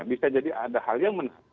bisa jadi ada hal yang menarik